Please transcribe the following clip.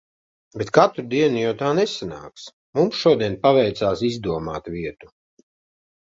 Bet katru dienu jau tā nesanāks. Mums šodien paveicās izdomāt vietu.